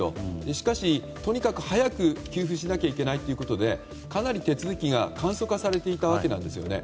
しかし、とにかく早く給付しないといけないということでかなり手続きが簡素化されていたわけなんですよね。